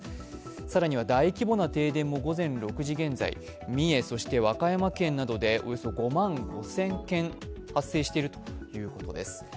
更には大規模な停電も午前６時現在、三重県、和歌山県などでおよそ５万５０００軒発生しているということです。